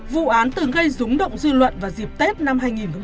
vụ án từng gây rúng động dư luận vào dịp tết năm hai nghìn một mươi chín